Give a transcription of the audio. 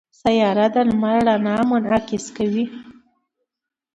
سیاره د لمر رڼا منعکسوي.